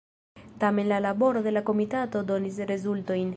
Tamen la laboro de la komitato donis rezultojn.